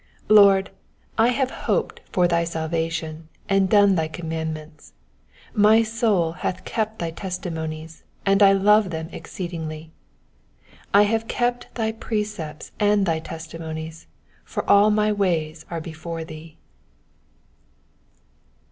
166 Lord, I have hoped for thy salvation, and done thy com mandments. 167 My soul hath kept thy testimonies ; and I love them exceedingly. 168 I have kept thy precepts and thy testimonies ; for all my ways are before thee.